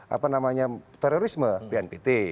apa namanya terorisme pnpt